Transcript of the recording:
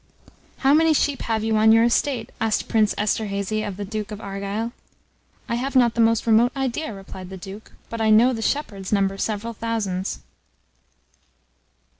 "How many sheep have you on your estate?" asked Prince Esterhazy of the duke of Argyll. "I have not the most remote idea," replied the duke; "but I know the shepherds number several thousands."